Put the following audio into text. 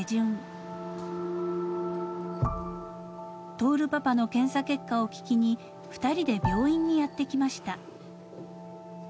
［亨パパの検査結果を聞きに２人で病院にやって来ました］